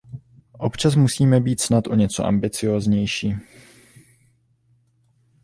Občas musíme být snad o něco ambicióznější.